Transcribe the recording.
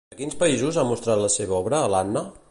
A quins països ha mostrat la seva obra, l'Anna?